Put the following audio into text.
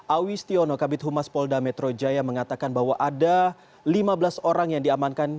awis tionokabit humas polda metro jaya mengatakan bahwa ada lima belas orang yang diamankan